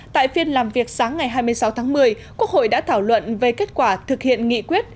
tại phiên làm việc sáng ngày hai mươi sáu tháng một mươi quốc hội đã thảo luận về kết quả thực hiện nghị quyết